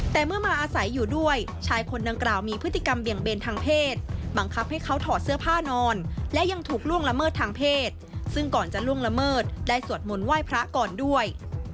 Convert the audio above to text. แต่เมื่อมาอาศัยอยู่ด้วยชายคนดังกล่าวมีพฤติกรรมเบี่ยงเบนทางเพศบังคับให้เขาถอดเสื้อผ้านอนและยังถูกล่วงละเมิดทางเพศซึ่งก่อนจะล่วงละเมิดได้สวดมนต์ไหว้พระก่อนด้วย